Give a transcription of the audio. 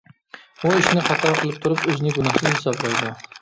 ئۇ ئىشنى خاتا قىلىپ تۇرۇپ ئۆزىنى گۇناھسىز ھېسابلايدۇ.